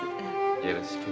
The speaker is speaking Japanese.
よろしく。